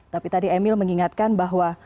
tapi tadi emil mengingatkan bahwa